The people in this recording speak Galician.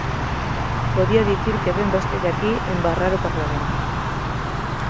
Podía dicir que vén vostede aquí embarrar o Parlamento.